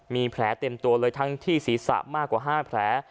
มีแผลเต็มตัวเลยทั้งที่ศีรษะมากกว่า๕แผล